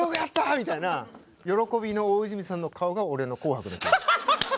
みたいな喜びの大泉さんの顔が俺の「紅白」の記憶。